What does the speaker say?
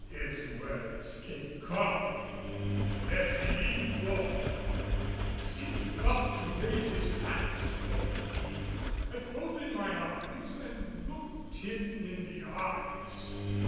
His words came calmly, yet he leaned forward and seemed about to raise his hands toward me. I folded my arms and looked him in the eyes.